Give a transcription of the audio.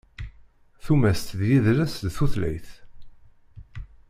Tumast d yidles d tutlayt.